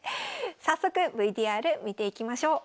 早速ＶＴＲ見ていきましょう。